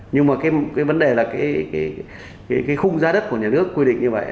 nhưng mà vấn đề là khung giá đất của nhà nước quy định như vậy